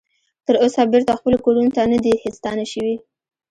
تر اوسه بیرته خپلو کورونو ته نه دې ستانه شوي